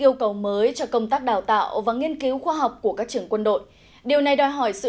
yêu cầu mới cho công tác đào tạo và nghiên cứu khoa học của các trưởng quân đội điều này đòi hỏi sự